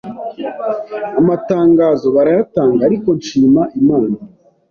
amatangazo barayatanga ariko nshima Imana